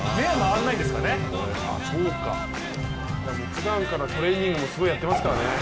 ふだんからすごいトレーニングやってますからね。